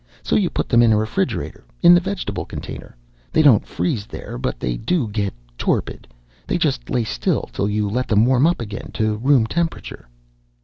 So you put them in a refrigerator. In the vegetable container. They don't freeze there, but they do ... get torpid. They just lay still till you let them warm up again. To room temperature."